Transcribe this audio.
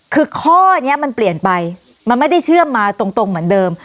คือข้อนี้มันเปลี่ยนไปมันไม่ได้เชื่อมมาตรงเหมือนเดิม